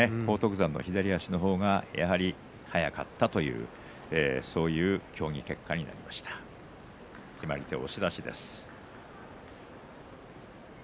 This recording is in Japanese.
山の左足の方がやはり早かったという協議結果になりました決まり手は押し出しです。